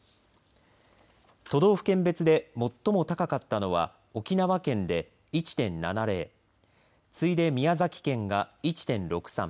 都道府県別で最も高かったのは沖縄県で１．７０次いで宮崎県が１．６３